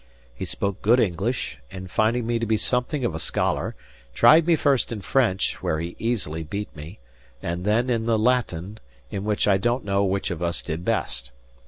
He spoke good English, and finding me to be something of a scholar, tried me first in French, where he easily beat me, and then in the Latin, in which I don't know which of us did best.